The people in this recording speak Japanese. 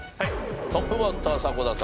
トップバッター迫田さん